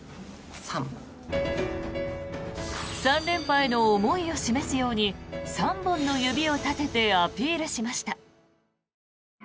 ３連覇への思いを示すように３本の指を立ててアピールしました。